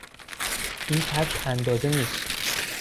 این کفش اندازه نیست.